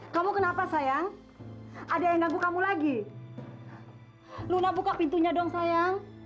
sampai jumpa di video selanjutnya